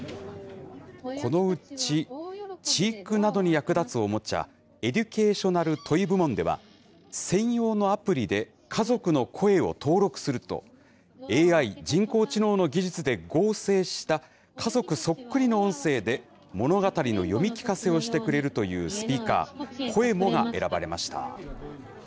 このうち、知育などに役立つおもちゃ、エデュケーショナル・トイ部門では、専用のアプリで家族の声を登録すると、ＡＩ・人工知能の技術で合成した家族そっくりの音声で物語の読み聞かせをしてくれるというスピーカー、ｃｏｅｍｏが選ばれました。